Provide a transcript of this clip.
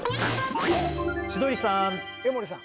千鳥さん